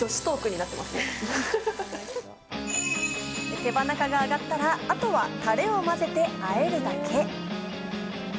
手羽中が揚がったら、あとはタレをまぜて和えるだけ。